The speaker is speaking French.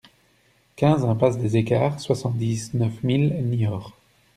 quinze impasse des Equarts, soixante-dix-neuf mille Niort